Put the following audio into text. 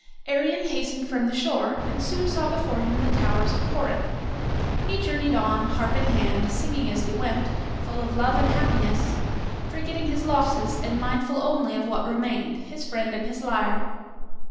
Arion hastened from the shore, and soon saw before him the towers of Corinth. He journeyed on, harp in hand, singing as he went, full of love and happiness, forgetting his losses, and mindful only of what remained, his friend and his lyre.